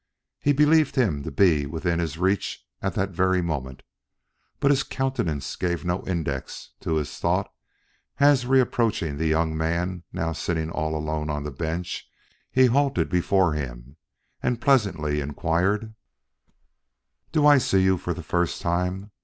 He believed him to be within his reach at that very moment, but his countenance gave no index to his thought as reapproaching the young man now sitting all alone on the bench, he halted before him and pleasantly inquired: "Do I see you for the first time?